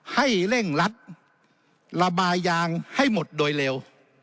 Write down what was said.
ให้เร่งรัดระบายยางให้หมดโดยเร็ว